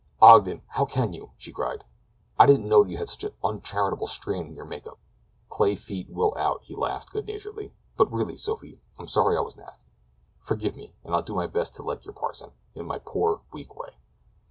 "Ogden! How can you!" she cried, "I didn't know that you had such an uncharitable strain in your make up." "Clay feet will out," he laughed good naturedly; "but really, Sophie, I'm sorry I was nasty. Forgive me, and I'll do my best to like your parson—in my poor, weak way.''